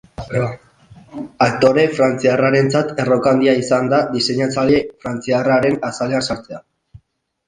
Aktore frantziarrarentzat erronka handia izan da diseinatzaile frantziarraren azalean sartzea.